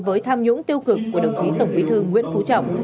với tham nhũng tiêu cực của đồng chí tổng bí thư nguyễn phú trọng